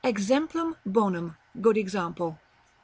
Exemplum bonum. Good example.